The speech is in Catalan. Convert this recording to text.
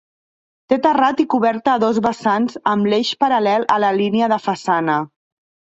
Té terrat i coberta a dos vessants amb l'eix paral·lel a la línia de façana.